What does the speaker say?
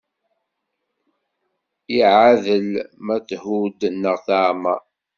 Iaɛdel ma thudd neɣ teɛmeṛ.